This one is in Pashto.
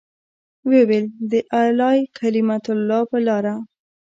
ويې ويل د اعلاى کلمة الله په لاره.